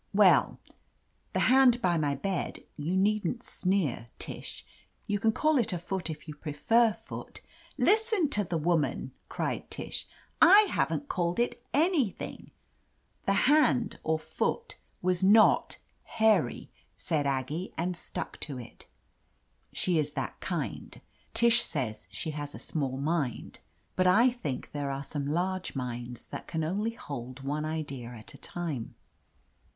"Well, the hand by my bed — you needn't sneer, Tish; you can call it a foot if you prefer foot— '^ "Listen to the woman!" cried Tish. "I haven't called it anything." "The hand — or foot — ^was not hairy!" said ^ggie, and stuck to it. She is that kind. Tish says she has a small mind, but I think there are some large minds that can only hold one idea at a time.